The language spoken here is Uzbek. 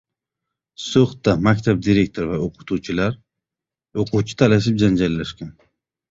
So‘xda maktab direktori va o‘qituvchilar o‘quvchi talashib janjallashgan